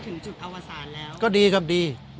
พอสรุปอวจสารแล้วก็ดีกับดี